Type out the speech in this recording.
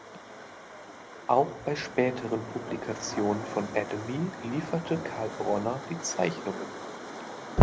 Auch bei späteren Publikationen von Adamy lieferte Carl Bronner die Zeichnungen.